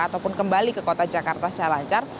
ataupun kembali ke kota jakarta secara lancar